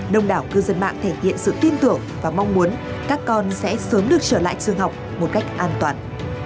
đông đảo cư dân mạng thể hiện sự tin tưởng và mong muốn các con sẽ sớm được trở lại trường học một cách an toàn